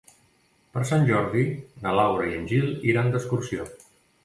Per Sant Jordi na Laura i en Gil iran d'excursió.